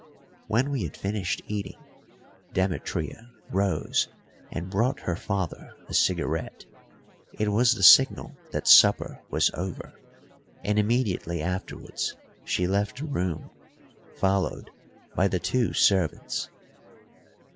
When we had finished eating, Demetria rose and brought her father a cigarette. It was the signal that supper was over; and immediately afterwards she left the room, followed by the two servants.